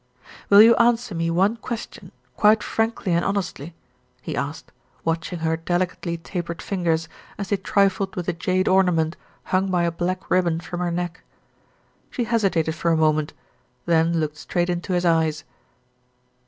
"Will you answer me one question quite frankly and honestly?" he asked, watching her delicately tapered fingers as they trifled with the jade ornament hung by a black ribbon from her neck. She hesitated for a moment, then looked straight into his eyes.